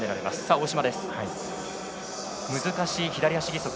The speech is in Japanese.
大島、難しい左足義足。